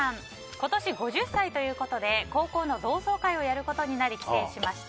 今年５０歳ということで高校の同窓会をやることになり帰省しました。